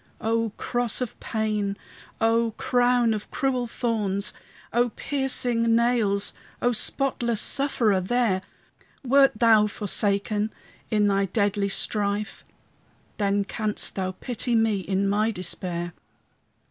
O cross of pain! O crown of cruel thorns! O piercing nails! O spotless Sufferer there! Wert thou forsaken in thy deadly strife? Then canst thou pity me in my despair.